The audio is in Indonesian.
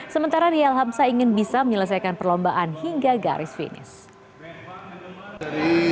sementara riel hamsa ingin bisa menyelesaikan perlombaan hingga garis finish